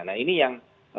nah ini yang